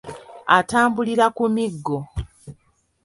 Atambulira ku miggo.